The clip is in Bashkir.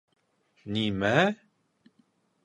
— Нимә?!